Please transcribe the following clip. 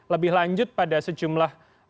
lebih lanjut pada sejumlah